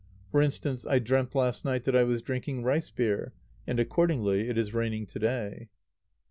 For instance, I dreamt last night that I was drinking rice beer, and accordingly it is raining to day.